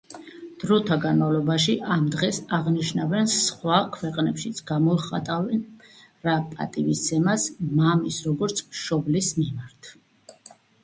დროთა განმავლობაში ამ დღეს აღნიშნავენ სხვა ქვეყნებშიც, გამოხატავენ რა პატივისცემას მამის, როგორც მშობლის მიმართ.